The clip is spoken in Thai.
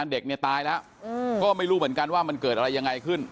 เด็กเนี่ยตายแล้วก็ไม่รู้เหมือนกันว่ามันเกิดอะไรยังไงขึ้น